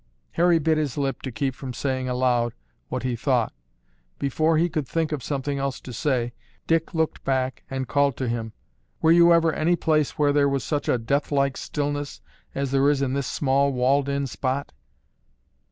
Harry bit his lip to keep from saying aloud what he thought. Before he could think of something else to say, Dick looked back and called to him, "Were you ever any place where there was such a deathlike stillness as there is in this small walled in spot?"